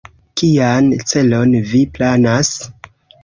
Kian celon vi planas?